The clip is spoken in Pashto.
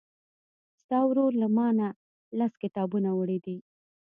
ستا ورور له مانه لس کتابونه وړي دي.